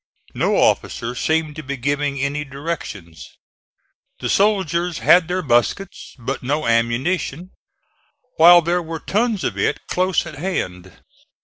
No officer seemed to be giving any directions. The soldiers had their muskets, but no ammunition, while there were tons of it close at hand.